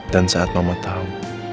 dan saat mama tahu